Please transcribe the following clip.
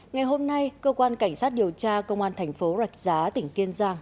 ngày hôm nay cơ quan cảnh sát điều tra công an thành phố rạch giá tỉnh kiên giang